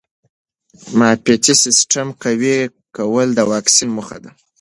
د معافیتي سیسټم قوي کول د واکسین موخه ده.